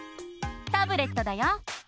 タブレットだよ！